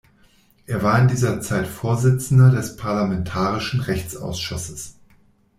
Er war in dieser Zeit Vorsitzender des parlamentarischen Rechtsausschusses.